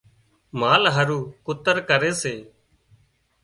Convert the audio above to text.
مال هارو ڪُتر ڪري سي